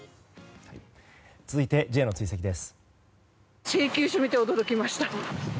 続いてＪの追跡です。